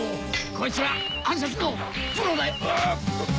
こいつら暗殺のプロだ！